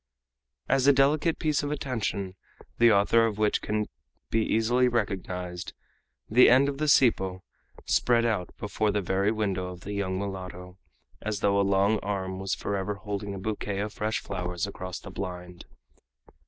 As a delicate piece of attention, the author of which can be easily recognized, the end of the cipo spread out before the very window of the young mulatto, as though a long arm was forever holding a bouquet of fresh flowers across the blind.